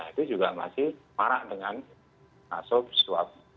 itu juga masih marak dengan kasus suap